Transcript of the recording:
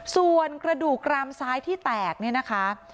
ส่วนกระดูกกรามซ้ายที่แตกเนี่ยนะคะ